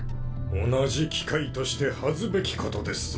同じ機械として恥ずべきことですぞ。